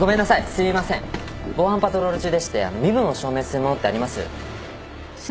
すいません防犯パトロール中でして身分を証明するものってあります？